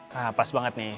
nah pas banget nih